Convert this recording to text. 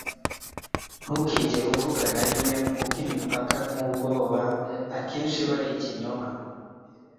Ntukigere uvuga na rimwe kuko imipaka, nk'ubwoba, akenshi iba ari ikinyoma.”